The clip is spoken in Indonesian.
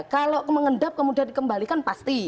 kalau mengendap kemudian dikembalikan pasti